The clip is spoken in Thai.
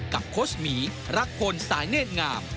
โค้ชหมีรักพลสายเนธงาม